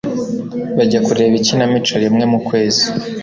Bajya kureba ikinamico rimwe mu kwezi.